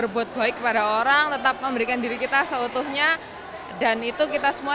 berbuat baik kepada orang tetap memberikan diri kita seutuhnya dan itu kita semua